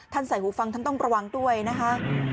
ใส่หูฟังท่านต้องระวังด้วยนะคะ